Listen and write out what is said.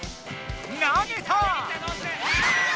投げた！